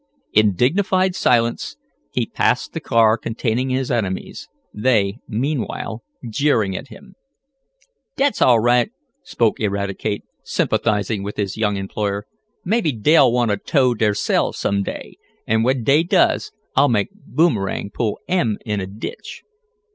In dignified silence he passed the car containing his enemies, they, meanwhile, jeering at him. "Dat's all right," spoke Eradicate, sympathizing with his young employer. "Maybe dey'll 'want a tow derselves some day, an' when dey does, I'll make Boomerang pull 'em in a ditch."